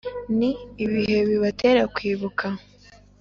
Ni ibihe bibatera kwibuka